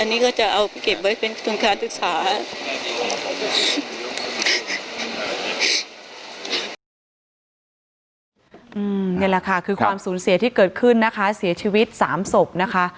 นี่แหละค่ะคือความสูญเสียที่เกิดขึ้นนะคะเสียชีวิต๓ศพนะคะ